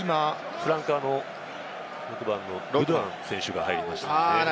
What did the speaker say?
フランカーの６番のブドゥアン選手が入りました。